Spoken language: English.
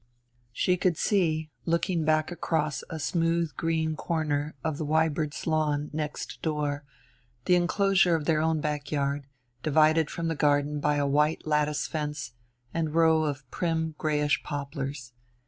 She could see, looking back across a smooth green corner of the Wibirds' lawn next door, the enclosure of their own back yard, divided from the garden by a white lattice fence and row of prim grayish poplars.